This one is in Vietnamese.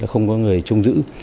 không có người trung giữ